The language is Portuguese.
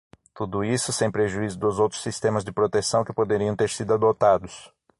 Tudo isso sem prejuízo dos outros sistemas de proteção que poderiam ter sido adotados.